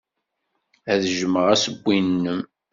Ad jjmeɣ assewwi-nnem.